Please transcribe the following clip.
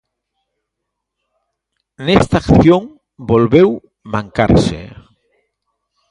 Nesta acción volveu mancarse.